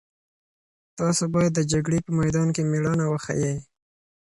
تاسو باید د جګړې په میدان کې مېړانه وښيئ.